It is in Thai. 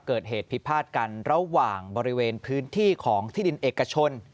เกิดเหตุพิพาทกันระหว่างบริเวณพื้นที่ของที่ดินเอกชน